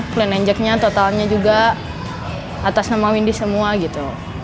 clean and jacknya totalnya juga atas nama windy semua gitu